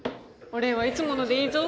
お礼はいつものでいいぞ